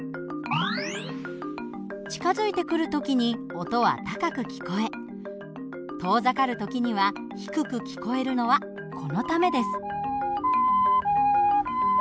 近づいてくる時に音は高く聞こえ遠ざかる時には低く聞こえるのはこのためです。